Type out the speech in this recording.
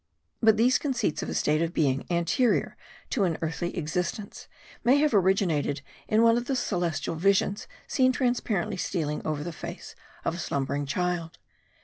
But these conceits of a state of being anterior to an earthly existence may have originated in one of those celestial visions seen transparently stealing over the face of a slumbering child.